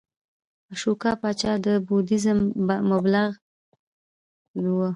اشوکا پاچا د بودیزم مبلغ و